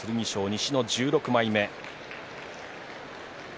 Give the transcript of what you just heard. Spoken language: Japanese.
西の１６枚目。